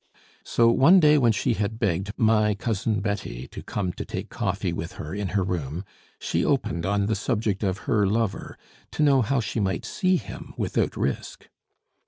So one day when she had begged "my Cousin Betty" to come to take coffee with her in her room, she opened on the subject of her lover, to know how she might see him without risk.